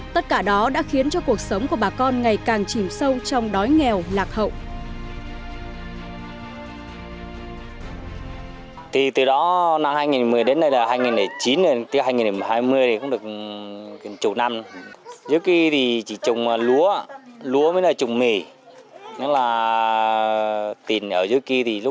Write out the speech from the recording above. tất cả đó đã khiến cho cuộc sống của bà con ngày càng chìm sâu trong đói nghèo lạc hậu